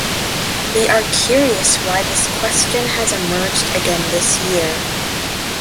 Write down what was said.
We are curious why this question has emerged again this year.